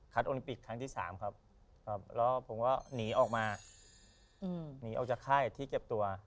ทางที่๓ครับครับแล้วผมก็หนีออกมาอืมหนีออกจากค่ายที่เก็บตัว